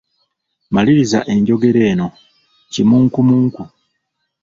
Maliriza enjogera eno: Kimunkumunku, ……